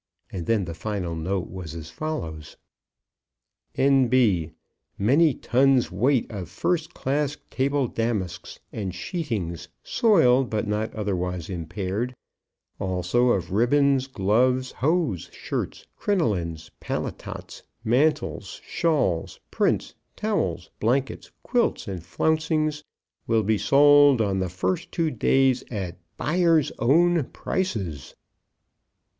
And then the final note was as follows: N.B. Many tons weight of First Class Table Damasks and Sheetings, soiled but not otherwise impaired; also of Ribbons, Gloves, Hose, Shirts, Crinolines, Paletots, Mantles, Shawls, Prints, Towels, Blankets, Quilts, and Flouncings, will be sold on the first two days at BUYERS' OWN PRICES.